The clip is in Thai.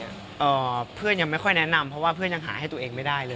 เอ่อเพื่อนยังไม่ค่อยแนะนำเพราะว่าเพื่อนยังหาให้ตัวเองไม่ได้เลย